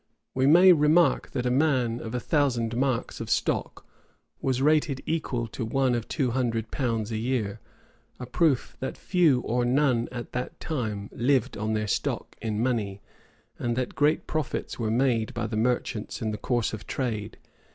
We may remark that a man of a thousand marks of stock was rated equal to one of two hundred pounds a year; a proof that few or none at that time lived on their stock in money, and that great profits were made by the merchants in the course of trade.